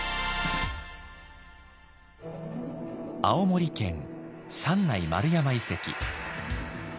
青森県三内丸山遺跡。